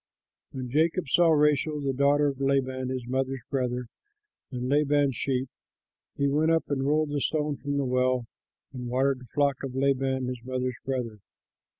When Jacob saw Rachel the daughter of Laban, his mother's brother, and Laban's sheep, he went up and rolled the stone from the well and watered the flock of Laban his mother's brother.